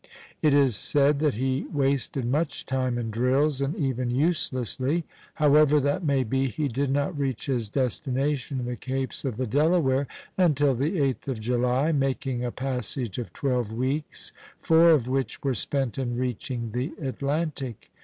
It is said that he wasted much time in drills, and even uselessly. However that may be, he did not reach his destination, the Capes of the Delaware, until the 8th of July, making a passage of twelve weeks, four of which were spent in reaching the Atlantic.